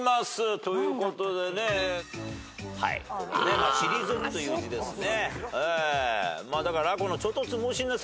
ということでね「退く」という字ですね。